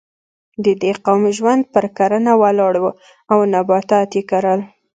د دې قوم ژوند پر کرنه ولاړ و او نباتات یې کرل.